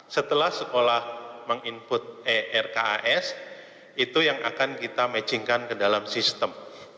setelah sekolah meng input erkas itu yang akan kita matchingkan ke dalam sistem